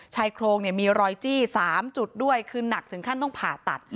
ชายโครงมีรอยจี้๓จุดด้วยคือหนักถึงขั้นต้องผ่าตัด